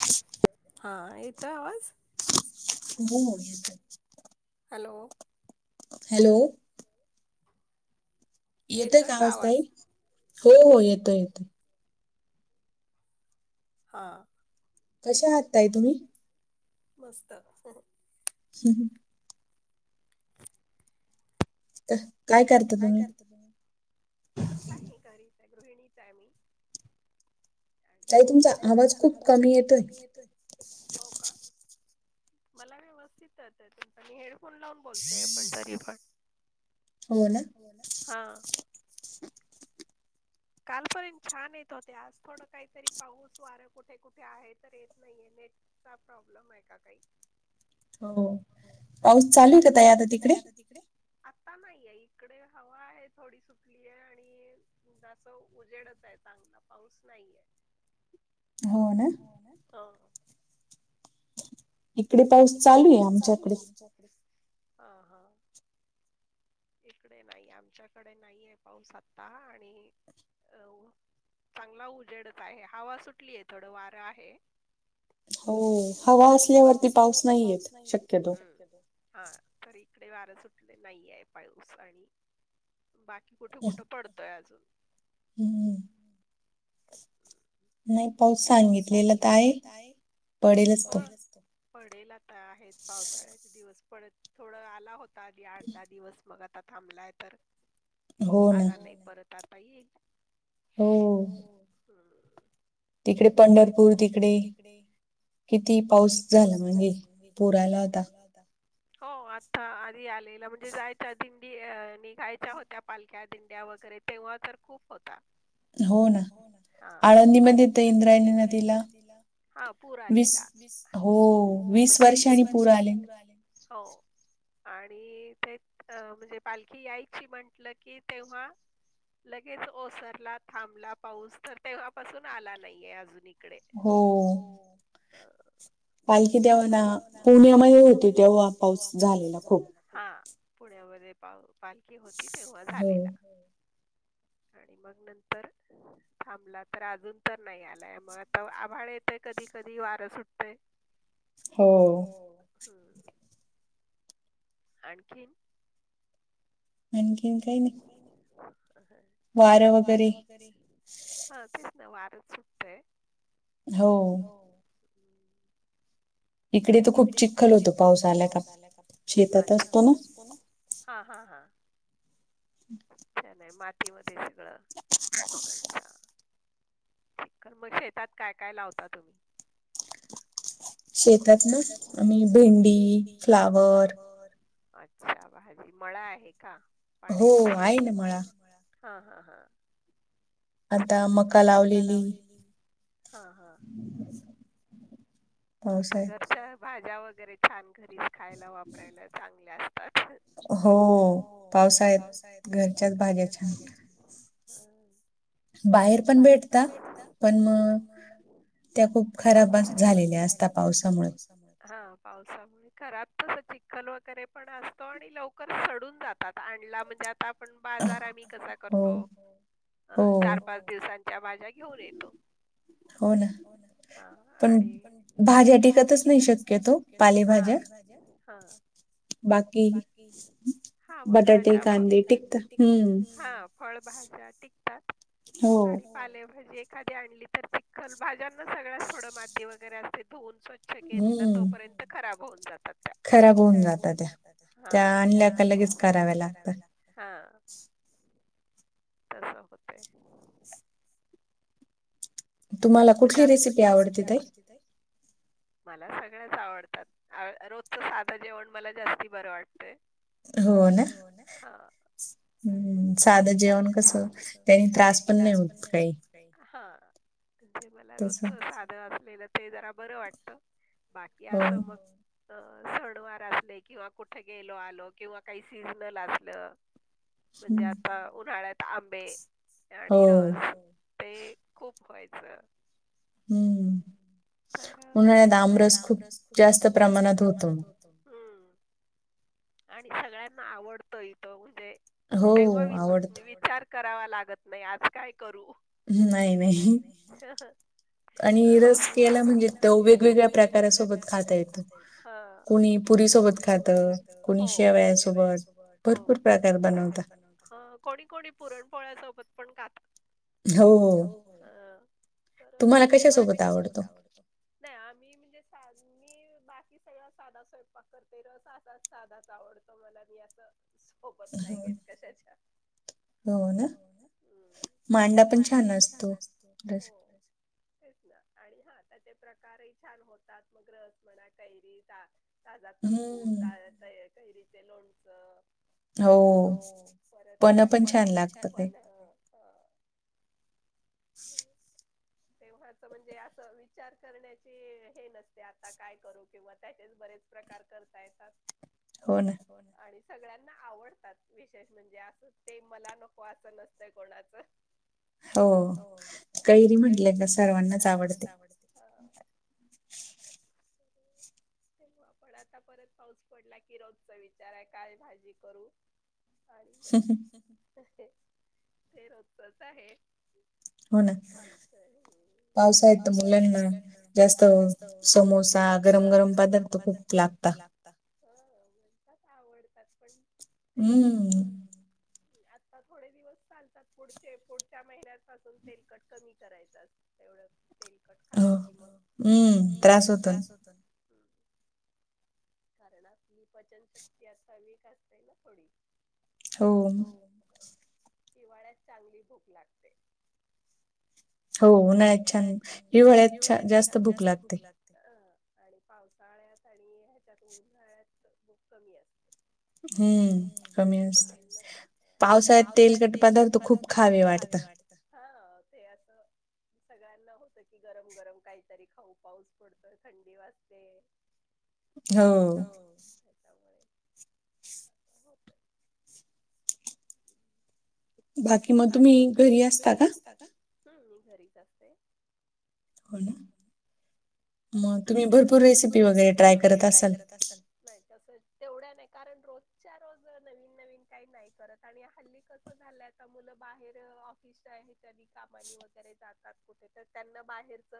[inaudible] हां येतंय आवाज? हो येतंय. Hello hello. येतंय का आवाज ताई? हो हो येतंय येतंय. हां. कशा आहात ताई तुम्ही? मस्त. हम्म हम्म. त काय करता तुम्ही? [unintelligible] काय नाही घरीच आहे मी, गृहिणीच आहे मी. ताई तुमचा आवाज खूप कमी येतोय. य हो का? मला व्यवस्थित येतोय तुमचा. मी हेडफोन लावून बोलतेय पण तरी पण. हो ना हो ना हा कालपर्यंत छान येत होते. आज थोड काहीतरी पाऊस वार कुठे कुठे आहे तर येत नाहीये नेट. प्रॉब्लेम आहे का काही हो पाऊस चालूल आहे काता आता तिकडे तिकडे आता नाहीय इकडे हवा आहे थोडी सुटली आहे आणि जास्त उजेडच आहे चांगला पाऊस नाहीये. हो ना? हो. इकडे पाऊस चालू आहे आमच्याकडे. [unintelligible] हां हां. इकडे नाही आमच्याकडे नाहीये पाऊस आत्ता आणि अ चांगला उजेडच आहे हवा सुटलीय थोडं वारं आहे. हो. हो हवा असल्यावरती पाऊस नाही येत शक्यतो. हा तर इकडे वारं सुटले नाही आहे पाऊस आणि बाकी कुठे कुठं पडतोय अजून हम्म. ह. नाही पाऊस सांगितलेला तर आहे पडेलच तो पडेला तर आहेत पावसाळ्याचे दिवस पडत थोडं आला होता आधी आठ दहा दिवस मग आता थांबलाय तर आला नाही परत आता येई. हो. तिकडे पंढरपूर तिकडे. किती पाऊस झाला म्हणजे पुराला होता. हो आता आधी आलेला म्हणजे जायच्या दिंडी निघायच्या होत्या पालख्या दिंड्या वगैरे तेव्हा तर खूप होतात. [unintelligible] हो ना आळंदीमध्ये इंद्रायणी नदीला पूर आला हो वीस वर्षनी पूर आले. हो. आणि ते अ म्हणजे पालखी यायची म्हंटल की तेव्हा लगेच ओसरला थांबला पाऊस तर तेव्हापासून आला नाहीये आ. इकडे. पालखी तेव्हा ना पुण्यामध्ये होती तेव्हा पाऊस झालेला खूप हा पुण्यामध्ये पा पालखी होती तेव्हा झालेला. आणि मग नंतर थांबला तर अजून तर नाही आलाय. मग आता आभाड येतेय कधी कधी वारं सुटतय हो. हां. आणखीनखी वारं वगैरे ह तेच ना वारं सुटतय. हो. इकडे तर खूप चिखल होतो पाऊस आला काित असतो ना. हा हा हा त्या नाही मातीमध्ये सगळं. कारण मग शेतात काय काय लावता तुम्ही? शेतात आम्ही भेंडी फ्लावर अच्छा भाजी मळा आहे का पाण्याची शेती आहे म हा हा हा. छ नाहीदा मका लावलेली हा हा. हम्. मग आता घरच्या भाज्या वगैरे छान घरीच खायला वापरायला चांगल्या असतात. हो पावसाहेब घरच्याच भाग्याचे. बाहेर पण भेटता पण मग त्या खूप खराब झालेल्या असता पावसामुळेवसामुळे खराब तस चिखल वगैरे पण असतो. आणि लवकर सडून जातात आणला म्हणजे. आता पण बाजार आम्ही कसा करतो. ‌ [inaudible] अं चार पाच दिवसांच्या भाज्या घेऊन येतो. हो ना हा आणिडी भाज्या टिकतच नाही शक्यतो कालीभज्या बाकी ह कांदेठीक फळभज्या टिकतात आणि पालेभाजी एखादी आणली तर तिखल भाज्यांना सगळ्यास थोड मी वगैरे असते धुवून स्वच् घेतलं तोपर्यंत खराब होऊन जातात त्या. खराब होऊन जातात. त्या आणल्या लगेच कराव्या लागतात, तसागतेे म्हणजे कुठली रेसिपी आवडती ताई मला सगळ्याच आवडतात. रोजचं साधं जेवण मला जास्ती बरं वाटतं हो. ना हा. साधं जेव कस त्यानी त्रास पण नाही होत. काही जे मला रोजच साध असलेलं जेवण जरा बर वाटत बाकी असं मग अ सणवार असले किंवा कुठे गेलो आलो किंवा काही. सिजनल असल म्हणजे आता उन्हाळ्यात आंबे आणि रस ते. खूप व्हायचं. हम्म आमरस खूप जास्त प्रमाणात होतो. आणि सगळ्यांना आवडतोय, तो म्हणजे. तेव्हा विचार करावा लागत नाही. आज काय करू. रस केला, म्हणजे त वेगवेगळ्या प्रकार सोबत खाता येत ह कोणी, पुरी सोबत खात कोणी शेवयासोबत, सोबत हो भरपूर खातात बनव अ कोणी कोणी पुरणपोळ्यासोबत पण खात हो हो. ह तुम्हाला कशासोबत आवडतात. बत नाही आम्ही म्हणजे बाकी सगळा साधा स्वयंपाक करते रस असाच साधाच आवडतो. त मला मी असं सोबत नाही घेत कशाच्या हो ना मांडा पण छान असतो. आणि हा त्याचे प्रकारही छान होतात. मग रस म्हणा कैरी जा ताजा तपकू कैरीचे लोणचे हो पन्न पण छान झालं. हो तेव्हाच म्हणजे असं विचार करण्याची हे नसते. आता काय करू किंवा त्याचेच बरेच प्रकार करता येतात. हो ना आणि सगळ्यांना आवडतात. विशेष म्हणजे असं. ते मला नको असं नसतंय. कोणाचं हो कैरी म्हटले ना सर्वांनाच आवडते. सर तेव पण आता परत पाऊस पडला की रोजचा विचार आहे. काय भाजी करू आणि हम हं ते रोजच आहे. ह पावसात मुलांना जास्त समोसा, गरम, गरम पदार्थ खूप लागतात ह आवडतात पण तेलकट आता थोडे दिवस चालतात पुढचे, पुढच्या महिन्यात पासून तेलकट कमी करायचं अस तेवढ तेलकट खाल्ल कि म तब्येतीला त्रास होतो. कारण आपली पचनशक्ती असावीक असते. ना थोडी. हो हिवाळ्यात चांगली भूक लागते. हो उन्हाळ्यात छान, हिवाळ्यात छान जास्त भूक लागते. ह आणि पावसाळ्यात आणि ह्याच्यात उन्हाळ्यात भुक कमी असते. हम्म पावसाळ्यात तेलकट पदार्थ खूप खावे वाटतात. हा ते अस सगळ्यांना होत की गरम, गरम काहीतरी खाऊ पाऊस पडतो थंडी वाजते. हो त्याच्यामुळे बाकी मग तुम्ही घरी असता का? हम्म, मी घरीच असते. होना मग तुम्ही भरपूर रेसिपी वगैरे ट्राय करत असाल? नाही तसं तेवढ्या नाही कारण रोजच्या, रोज, नवीन, नवीन काही नाही करत आणि हल्ली कसं झालय ता मुलं बाहेर ऑफिसच्या ह्याच्या कामानी वगैरे जातात कुठे तर त्यांना बाहेरच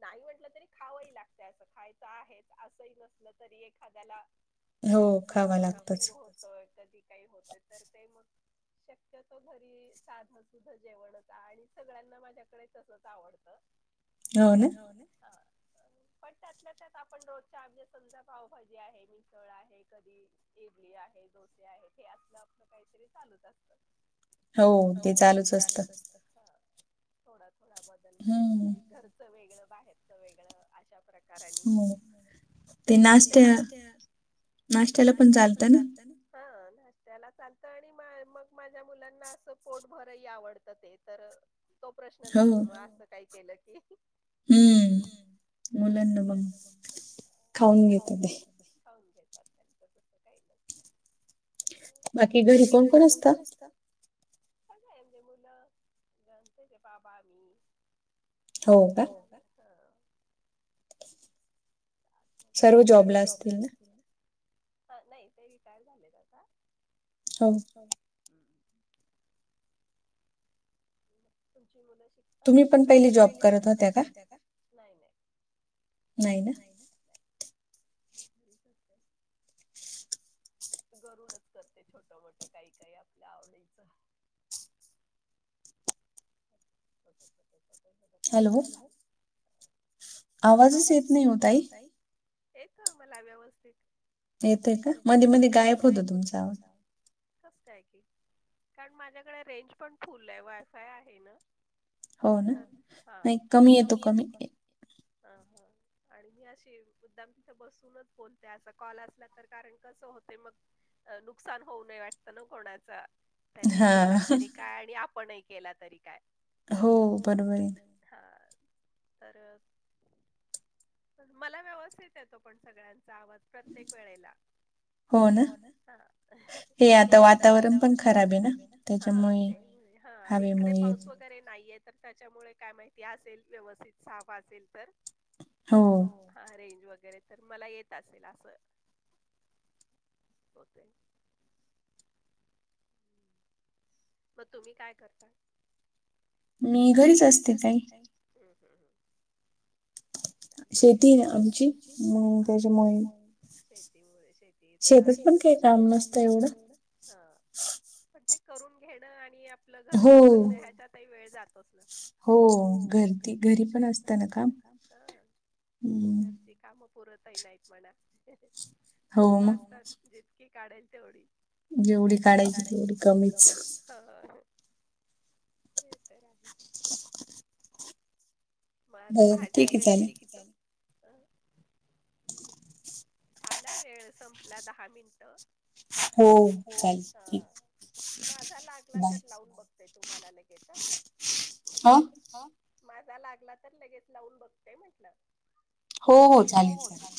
नाही म्हटलं तरी खावही लागते अस खायचं आहेच असही नसल तरी एखाद्याला बाबा उशिर होतोय कधी काही होत तर ते मग शक्यतो घरी साध, सुध जेवणच आणि सगळ्यांना माझ्याकडे तसच आवडत. हो ना? हो ना? हा. पण त्यातल्या त्यात आपण रोजच्या म्हणजे समजा पावभाजी आहे, मिसळ आहे कधी इडली आहे, डोसे आहे हे असल आपल काहीतरी चालूत असत. हो ते चालूच असत थोडा, थोडा बदल म्हटलं तरी घरचं वेगळ बाहेरचं वगळं अशा प्रकारच कार्याची पण ते नाष्ट्या नाष्ट्याला पण चालतं ना? हा नाष्ट्याला चालतं आणि मग माझ्या मुलांना अस पोट भरही आवडत ते तर तो प्रश्न नसतो म अस काही केलं की, हम्म. मुलांना मग खाऊन घेताते. बाकी घरी कोण, कोण असत? काय म्हणजे मुलं त्यांचे बाबा, मी. हो का? ह. सर्व जॉबला असतील ना? हा नाही ते रिटायर झालेत आता. हो. [inaudible] तुमची मुलं शिक तुम्ही पण पहिले जॉब करत होत्या का? नाही, नाही, नाही ना, नाही मी घरी घरूनच करते छोट, मोठ काही, काही आपल्या आवडीच. [unintelligible] हॅलो. आवाजच येत नाही हो ताई. येतोय मला व्यवस्थित. येतय का मधी, मधी गायब होतं तुमच्या आवाज. कस काय की कारण माझ्याकडे रेंज पण फुल आहे वायफाय आहेना. हो ना हा नाही कमी येतो कमी हा हा आणि मी अशी मुद्दाम तिथे बसूनच बोलते असा कॉल असला तर कारण कसं होते मग नुकसान होऊ नये वाटतं ना कोणाच त्यांनी केला तरी काय आणि आपणही केला तरी काय हो बरोबर आहे. हा तर मला व्यवस्थित येतो पण सगळ्यांचा आवाज प्रत्येक वेळेला हो ना हे आता वातावरण पण खराब आहे ना हा ते हा आणि इकडे पाऊस वगैरे नाहीये तर त्याच्यामुळे काय माहिती असेल व्यवस्थित साफ असेल तर हा रेंज वगैरे तर मला येत असेल असं होते. मग तुम्ही काय करता मी घरीच असते ताई शेती ना आमची मग त्याच्यामुळे शेती मुळे शेती ते तर आणि शेतात पण काही काम नसतं एवढं हा पण ते करून घेणं आणि आपलं घरच करणं ह्याच्यातही वेळ जातोच ना. हो घरती घरी पण असत ना काम हा घरची कामं पुरतही नाहीत म्हणा खूप असतात जितकी काढेल तेवढी. जेवढी काढायची तेवढी कमीच हो ते तर आहे. मला आता भाज्यान व्यतिरिक्त झाला वेळ संपला दहा मिनिट हो चालेल ठीक आहे. माझा लागला तर लावून बघतेय तुम्हाला लगेच ह माझा लागला तर लगेच लावून बघतेय म्हंटलं हो-हो चालेल-चालेल.